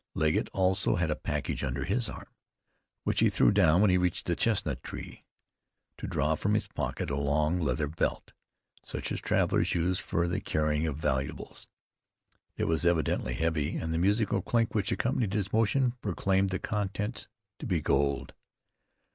Legget also had a package under his arm, which he threw down when he reached the chestnut tree, to draw from his pocket a long, leather belt, such as travelers use for the carrying of valuables. It was evidently heavy, and the musical clink which accompanied his motion proclaimed the contents to be gold.